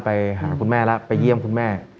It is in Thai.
ไปหาคุณแม่แล้วไปเยี่ยมคุณแม่